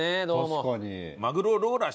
確かに。